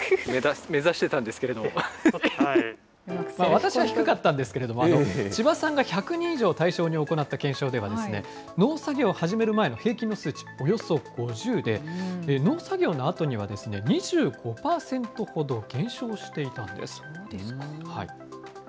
私は低かったんですけれども、千葉さんが、１００人以上を対象に行った検証では、農作業を始める前の平均の数値、およそ５０で、農作業のあとには２５％ほど減少していたんです。